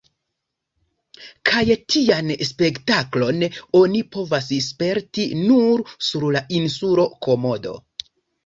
Kaj tian spektaklon oni povas sperti nur sur la insulo Komodo.